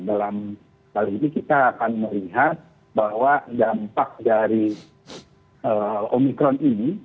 dalam hal ini kita akan melihat bahwa dampak dari omikron ini